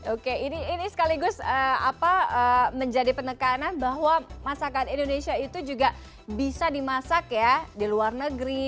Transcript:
oke ini sekaligus menjadi penekanan bahwa masakan indonesia itu juga bisa dimasak ya di luar negeri